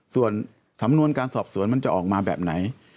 ส่วนสำนวนการสอบสวนมันจะออกมาแบบไหน